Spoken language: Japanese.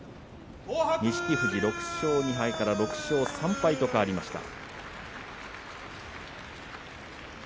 錦富士、６勝２敗から６勝３敗に変わりました。